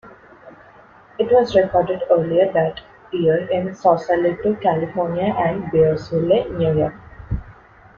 It was recorded earlier that year in Sausalito, California, and Bearsville, New York.